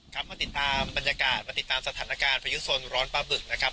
ครับมาติดตามบรรยากาศมาติดตามสถานการณ์พายุโซนร้อนปลาบึกนะครับ